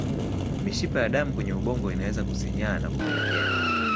Mishipa ya damu kwenye ubongo inaweza kusinyaa na kupelekea